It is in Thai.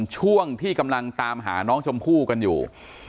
ช่วงที่กำลังตามหาน้องชมพู่กันอยู่